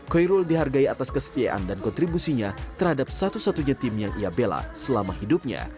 koirul dihargai atas kesetiaan dan kontribusinya terhadap satu satunya tim yang ia bela selama hidupnya